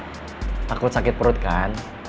takut sakit perut kan